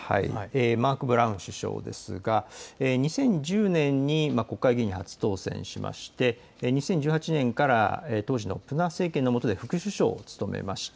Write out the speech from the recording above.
マーク・ブラウン首相ですが、２０１０年、国会議員に初当選して２０１８年から当時のプナ政権のもとで副首相を務めました。